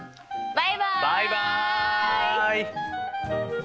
バイバイ！